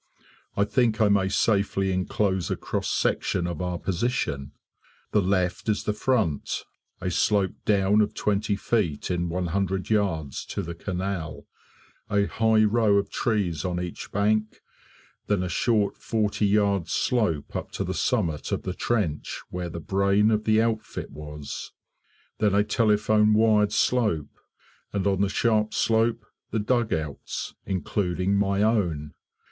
I think I may safely enclose a cross section of our position. The left is the front: a slope down of 20 feet in 100 yards to the canal, a high row of trees on each bank, then a short 40 yards slope up to the summit of the trench, where the brain of the outfit was; then a telephone wired slope, and on the sharp slope, the dugouts, including my own.